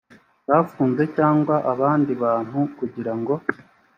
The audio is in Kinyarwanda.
bafunze cyangwa abandi bantu kugira ngo